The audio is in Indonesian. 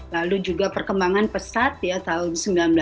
lalu juga perkembangan pesat ya tahun seribu sembilan ratus sembilan puluh